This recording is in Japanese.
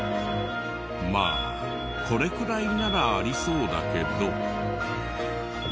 まあこれくらいならありそうだけど。